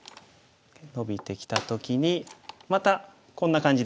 ノビてきた時にまたこんな感じで攻める。